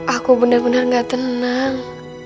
aku benar benar gak tenang